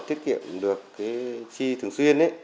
tiết kiệm được chi thường xuyên